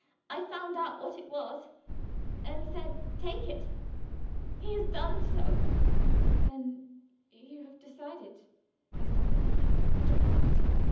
I found out what it was, and said, 'Take it.' He has done so." "Then you have decided?" I stammered. "To part.